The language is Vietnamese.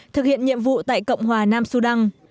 thực hiện nhiệm vụ tại cộng hòa nam sudan